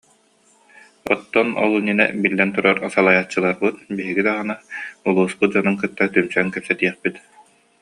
Оттон ол иннинэ, биллэн туран, салайааччыларбыт, биһиги даҕаны, улууспут дьонун кытта түмсэн кэпсэтиэхпит